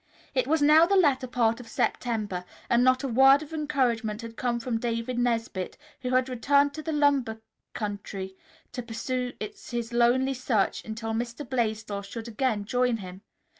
It was now the latter part of September and not a word of encouragement had come from David Nesbit, who had returned to the lumber country to pursue his lonely search until Mr. Blaisdell should again join him.